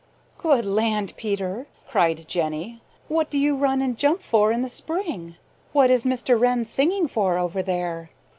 "Good land, Peter!" cried Jenny. "What do you run and jump for in the spring? What is Mr. Wren singing for over there?